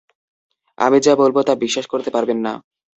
আমি যা বলবো তা বিশ্বাস করতে পারবেন না।